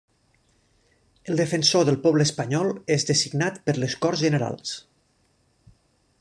El defensor del poble espanyol és designat per les Corts Generals.